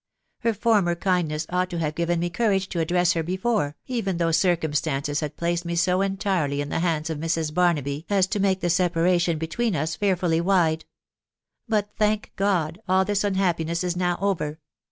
Her former kindness ought to have given me courage to address her before, even though circumstances had placed me so entirely in the hands of Mrs. Barnaby as to make the separation between us. fearfully wide. But, thank God ! all this unhappiness is now over.